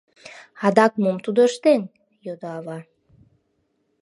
— Адак мом тудо ыштен? — йодо ава.